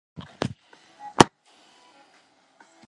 亚美尼亚人在奥斯曼帝国内所创立的米利特多于一个。